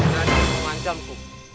raja aku memanjamku